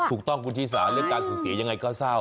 ถูกต้องคุณชิสาเรื่องการสูญเสียยังไงก็เศร้า